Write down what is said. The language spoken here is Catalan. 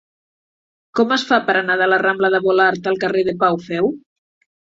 Com es fa per anar de la rambla de Volart al carrer de Pau Feu?